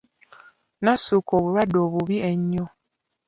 Nassuuka obulwadde obubi ennyo .